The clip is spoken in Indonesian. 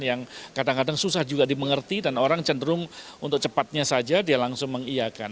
yang kadang kadang susah juga dimengerti dan orang cenderung untuk cepatnya saja dia langsung mengiakan